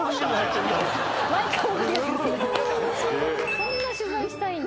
「そんな取材したいんだ」